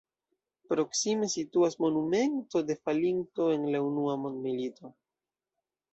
Proksime situas monumento de falintoj en la unua mondmilito.